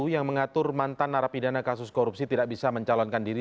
yang mengatur mantan narapidana kasus korupsi tidak bisa mencalonkan diri